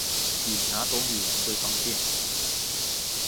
以那種語言最方便？